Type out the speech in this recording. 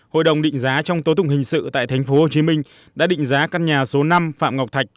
hội đồng định giá trong tố tụng hình sự tại tp hcm đã định giá căn nhà số năm phạm ngọc thạch